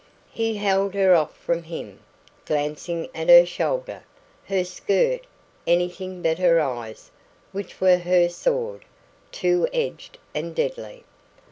He held her off from him, glancing at her shoulder, her skirt anything but her eyes, which were HER sword, two edged and deadly.